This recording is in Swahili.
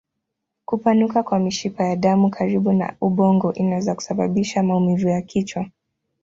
Kupanuka kwa mishipa ya damu karibu na ubongo inaweza kusababisha maumivu ya kichwa.